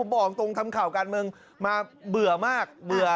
บอกตรงทำข่าวการเมืองมาเบื่อมากเบื่อ